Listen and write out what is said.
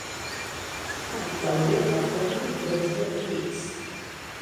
Actualment la formen dotze equips.